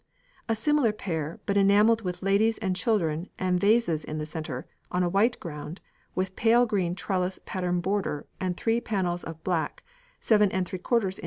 A similar pair, but enamelled with ladies and children and vases in the centre, on a white ground, with pale green trellis pattern border, and three panels of black, 7┬Š in.